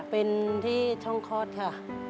เป็นที่ช่องคลอดค่ะ